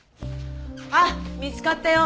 あっ見つかったよ